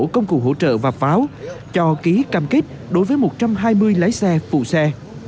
công cụ hỗ trợ và pháo cho ký cam kết đối với một trăm hai mươi lái xe phụ xe